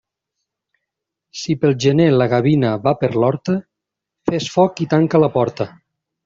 Si pel gener la gavina va per l'horta, fes foc i tanca la porta.